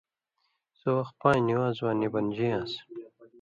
سو وخ پان٘ژ نِوان٘زواں نی بنژیان٘س۔